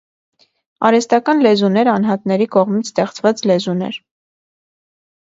Արհեստական լեզուներ, անհատների կողմից ստեղծված լեզուներ։